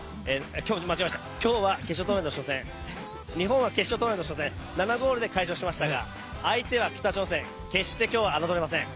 日本は決勝トーナメントの初戦、７ゴールで快勝しましたが、相手は北朝鮮、決して今日は侮れません。